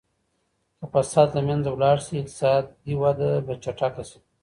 که فساد له منځه لاړ سي اقتصادي وده به چټکه سي.